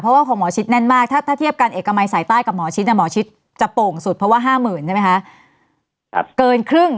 เพราะว่าของหมอชิดแน่นมากถ้าเทียบกันเอกมัยสายใต้กับหมอชิดหมอชิดจะโป่งสุดเพราะว่า๕๐๐๐ใช่ไหมคะ